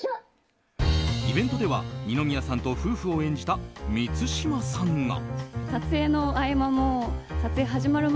イベントでは、二宮さんと夫婦を演じた満島さんが。